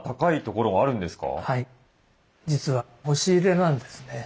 実は押し入れなんですね。